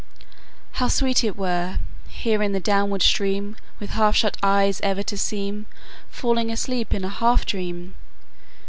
"How sweet it were, hearing the downward stream With half shut eyes ever to seem Falling asleep in a half dream!